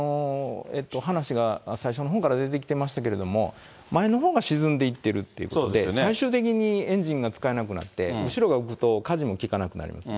話が最初のほうから出てきてましたけど、前のほうが沈んでいってるということで、最終的にエンジンが使えなくなって、後ろが浮くとかじも利かなくなります。